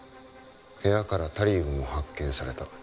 部屋からタリウムも発見された